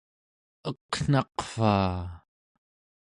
eqnaqvaa!